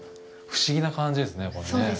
不思議な感じですね、これね。